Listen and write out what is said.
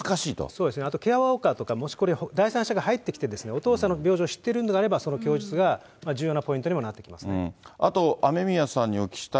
そうですね、あとケアワーカーとか、もしこれ、第三者が入ってきて、お父さんの病状を知ってるのであれば、その供述が重要なポイントになってきますね。